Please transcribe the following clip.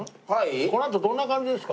このあとどんな感じですか？